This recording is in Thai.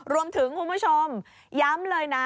รวมถึงคุณผู้ชมย้ำเลยนะ